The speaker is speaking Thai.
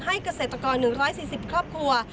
เกษตรกร๑๔๐ครอบครัว